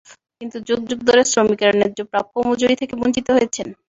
কিন্তু যুগ যুগ ধরে শ্রমিকেরা ন্যায্য প্রাপ্য মজুরি থেকে বঞ্চিত হয়েছেন।